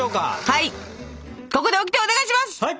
はい！